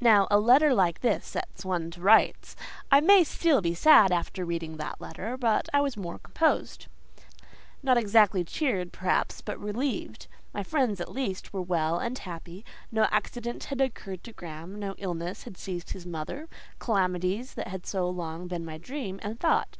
Now, a letter like that sets one to rights! I might still be sad after reading that letter, but I was more composed; not exactly cheered, perhaps, but relieved. My friends, at least, were well and happy: no accident had occurred to Graham; no illness had seized his mother—calamities that had so long been my dream and thought.